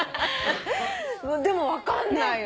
でも分かんないよね。